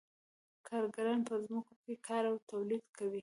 کارګران په ځمکو کې کار او تولید کوي